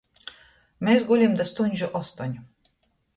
Mes gulim da stuņžu ostoņu!